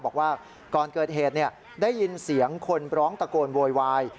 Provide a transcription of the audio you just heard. บอกว่าก่อนเกิดเหตุได้ยินเสียงคนร้องตะโกนโวยวาย